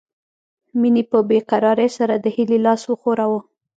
مينې په بې قرارۍ سره د هيلې لاس وښوراوه